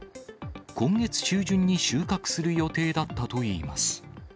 今月中旬に収穫する予定だったといいます。